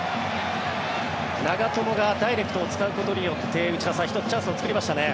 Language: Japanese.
長友がダイレクトを使うことによって内田さん１つ、チャンスを作りましたね。